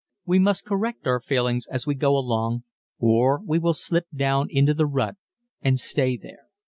We must correct our failings as we go along or we will slip down into the rut and stay there.